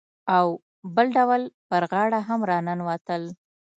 او بل ډول پر غاړه هم راننوتل.